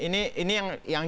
nah ini yang